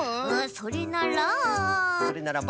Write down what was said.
それならば？